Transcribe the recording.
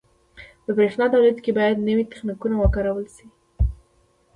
• د برېښنا تولید کې باید نوي تخنیکونه وکارول شي.